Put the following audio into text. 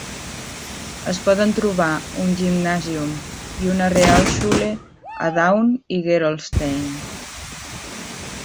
Es poden trobar un Gymnasium i una Realschule a Daun i Gerolstein.